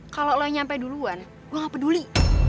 kalau lo nyampe duluan gue gak peduli